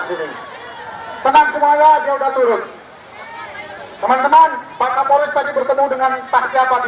disini tenang semuanya dia udah turun teman teman pak kapolres tadi bertemu dengan taksi apa di